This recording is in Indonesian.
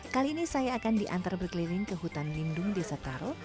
kali ini saya akan diantar berkeliling ke hutan lindung desa taro